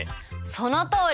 そのとおり！